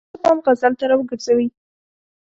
د لوستونکو پام غزل ته را وګرځوي.